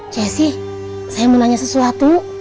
ceci saya mau nanya sesuatu